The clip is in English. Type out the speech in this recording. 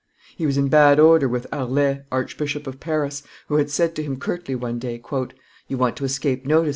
He was in bad odor with Harlay, Archbishop of Paris, who had said to him curtly one day, "You want to escape notice, M.